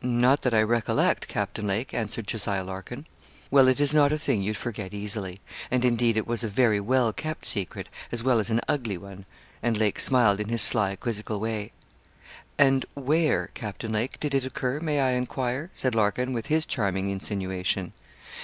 'Not that I recollect, Captain Lake,' answered Jos. Larkin. 'Well, it is not a thing you'd forget easily and indeed it was a very well kept secret, as well as an ugly one,' and Lake smiled in his sly quizzical way. 'And where, Captain Lake, did it occur, may I enquire?' said Larkin, with his charming insinuation.